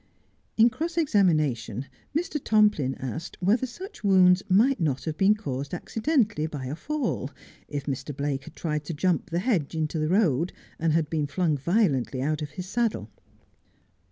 In cross examination Mr. Tomplin asked whether such wounds might not have been caused accidentally by a fall, if Mr. Blake had tried to jump the hedge into the road and had been flung violently out of his saddle.